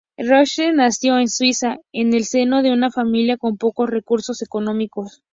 Rorschach nació en Suiza, en el seno de una familia con pocos recursos económicos.